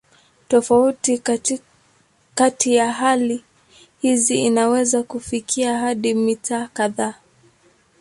Tofauti kati ya hali hizi inaweza kufikia hadi mita kadhaa.